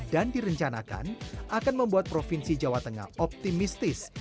dan direncanakan akan membuat provinsi jawa tengah optimistis